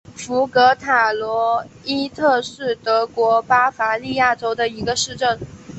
福格塔罗伊特是德国巴伐利亚州的一个市镇。